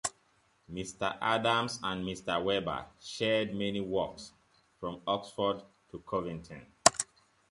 Mr. Adams and Mr. Weber shared many walks from Oxford to Covington.